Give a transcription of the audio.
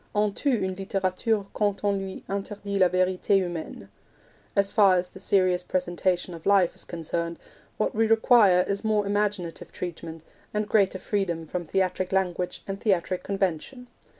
On tue une litterature quand on lui interdit la verite humaine. As far as the serious presentation of life is concerned, what we require is more imaginative treatment, greater freedom from theatric language and theatric convention.